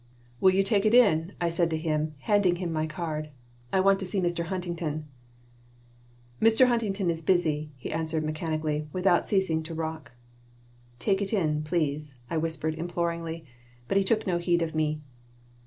"Will you take it in?" I said to him, handing him my card. "I want to see Mr. Huntington." "Mr. Huntington is busy," he answered, mechanically, without ceasing to rock. "Take it in, please," I whispered, imploringly. But he took no heed of me.